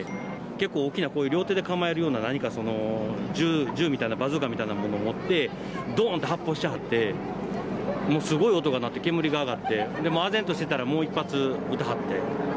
結構大きな両手で構えるような銃みたいなバズーカみたいなものを持ってドンって発砲しはってすごい音が鳴って、煙が上がってあぜんとしてたらもう１発撃って。